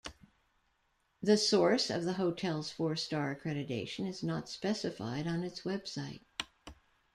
The source of the hotel's four-star accreditation is not specified on its website.